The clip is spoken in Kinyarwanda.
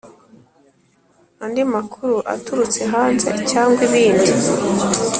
Andi makuru aturutse hanze cyangwa ibindi